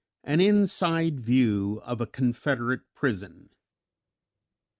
AN INSIDE VIEW OF A CONFEDERATE PRISON.